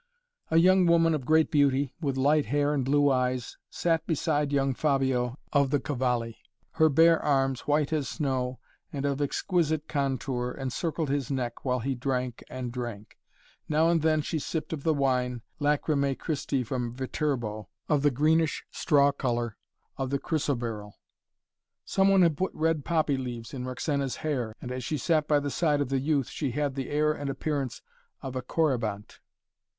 A young woman of great beauty, with light hair and blue eyes, sat beside young Fabio of the Cavalli. Her bare arms, white as snow, and of exquisite contour, encircled his neck, while he drank and drank. Now and then she sipped of the wine, Lacrymae Christi from Viterbo, of the greenish straw color of the chrysoberyl. Some one had put red poppy leaves in Roxana's hair, and as she sat by the side of the youth, she had the air and appearance of a Corybante.